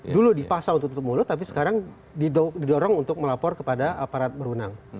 dulu dipaksa untuk tutup mulut tapi sekarang didorong untuk melapor kepada aparat berwenang